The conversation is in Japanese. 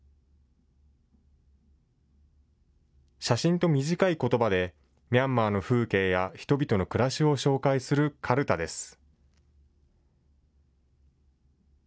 写真と短いことばでミャンマーの風景や人々の暮らしを紹介するかるたです。